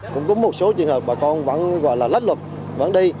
cũng có một số trường hợp bà con vẫn gọi là lách luật vẫn đi